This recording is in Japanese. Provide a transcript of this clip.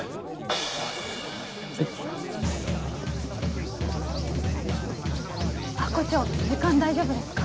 ハコ長時間大丈夫ですか？